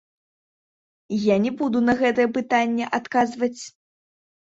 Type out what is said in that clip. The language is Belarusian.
Я не буду на гэтае пытанне адказваць.